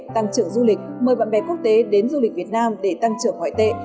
tăng trưởng du lịch mời bạn bè quốc tế đến du lịch việt nam để tăng trưởng ngoại tệ